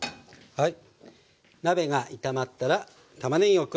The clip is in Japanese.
はい。